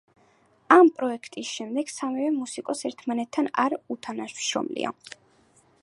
ამ პროექტის შემდეგ სამივე მუსიკოსს ერთმანეთთან არ უთანამშრომლია.